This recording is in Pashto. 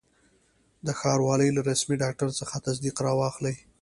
د ښاروالي له رسمي ډاکټر څخه تصدیق را واخلئ.